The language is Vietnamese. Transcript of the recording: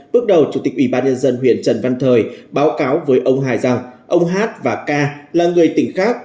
bước đầu chủ tịch ubnd huyền trần văn thời báo cáo với ông hải rằng ông hát và ca là người tỉnh khác